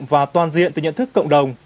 và toàn diện từ nhận thức cộng đồng